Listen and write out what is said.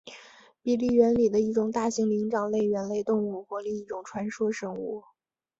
比利猿里的一种大型灵长类猿类动物或另一种传说生物。